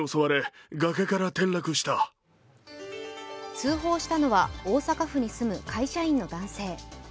通報したのは大阪府に住む会社員の男性。